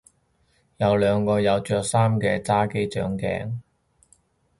有兩個有着衫嘅揸機掌鏡